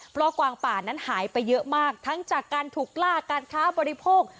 เพราะกวางป่านั้นหายไปเยอะมากทั้งจากการถูกล่าการค้าบริโภค